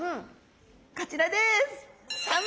こちらです。